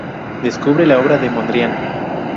Descubre la obra de Mondrian.